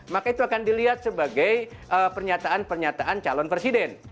maka itu akan dilihat sebagai pernyataan pernyataan calon presiden